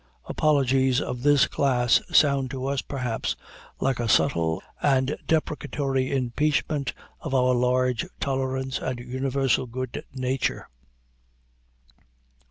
Apologies of this class sound to us, perhaps, like a subtle and deprecatory impeachment of our large tolerance and universal good nature.